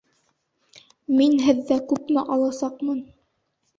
Мин һеҙҙә күпме аласаҡмын?